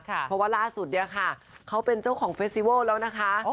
เพราะว่าล่าสุดเนี่ยค่ะเขาเป็นเจ้าของเฟสติวัลแล้วนะคะ